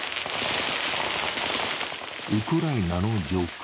ウクライナの上空。